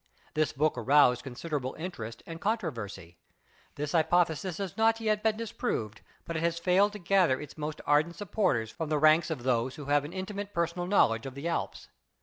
This book aroused consider able interest and controversy. This hypothesis has not yet been disproved, but it has failed to gather its most ardent supporters from the ranks of those who have an intimate personal knowledge of the Alps.